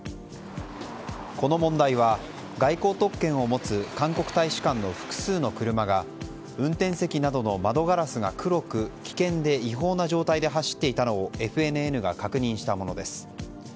この問題は外交特権を持つ韓国大使館の複数の車が運転席の窓ガラスが黒く危険で違法な状態で走っていたのをＦＮＮが確認したものです。